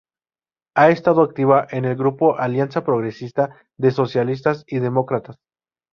Ha estado activa en el grupo Alianza Progresista de Socialistas y Demócratas.